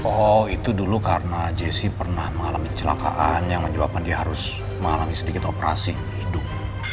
oh itu dulu karena jessi pernah mengalami kecelakaan yang menyebabkan dia harus mengalami sedikit operasi hidung